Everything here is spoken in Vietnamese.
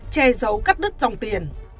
che giấu cắt đứt dòng tiền